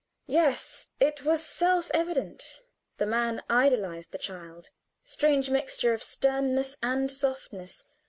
Yes, it was self evident; the man idolized the child. Strange mixture of sternness and softness!